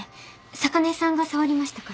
坂根さんが触りましたから。